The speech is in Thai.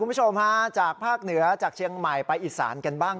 คุณผู้ชมฮะจากภาคเหนือจากเชียงใหม่ไปอีสานกันบ้าง